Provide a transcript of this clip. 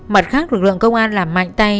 mặt khác lực lượng công an làm mạnh tay